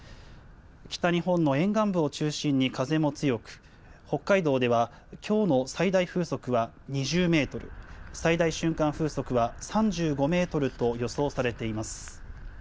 北日本の沿岸部を中心に風も強く、北海道ではきょうの最大風速は２０メートル、最大瞬間風速は３５メートルと予想されています。